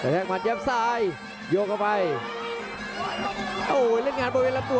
ให้อะไรครับจะเลยลาก